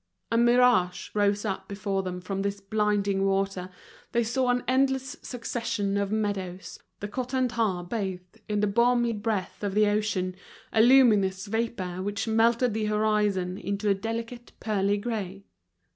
A mirage rose up before them from this blinding water, they saw an endless succession of meadows, the Cotentin bathed in the balmy breath of the ocean, a luminous vapor, which melted the horizon into a delicate pearly grey.